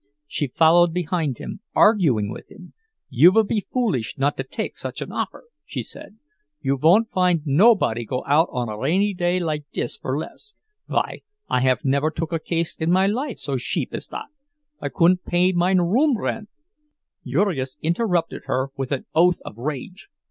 She followed behind him, arguing with him. "You vill be foolish not to take such an offer," she said. "You von't find nobody go out on a rainy day like dis for less. Vy, I haf never took a case in my life so sheap as dot. I couldn't pay mine room rent—" Jurgis interrupted her with an oath of rage.